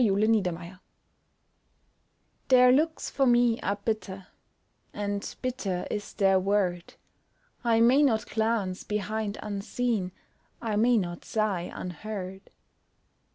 Out of Babylon THEIR looks for me are bitter, And bitter is their word I may not glance behind unseen, I may not sigh unheard.